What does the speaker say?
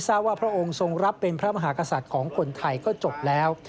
ทราบว่าพระองค์ทรงรับเป็นพระมหากษัตริย์ของคนไทยก็จบแล้ว